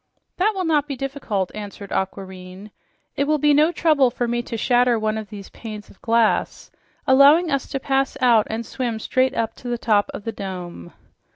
"That will not be difficult," answered Aquareine. "It will be no trouble for me to shatter one of these panes of glass, allowing us to pass out and swim straight up to the top of the dome."